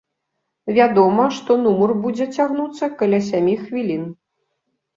Вядома, што нумар будзе цягнуцца каля сямі хвілін.